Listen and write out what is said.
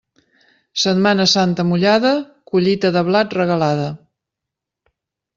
Setmana Santa mullada, collita de blat regalada.